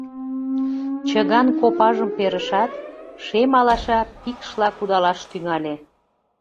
Чыган копажым перышат, шем алаша пикшла кудалаш тӱҥале.